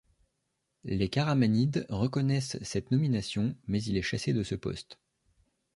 Les Karamanides reconnaissent cette nomination mais il est chassé de ce poste.